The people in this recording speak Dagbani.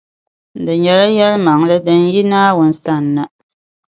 Di nyɛla yɛlimaŋli din yi Naawuni sani na.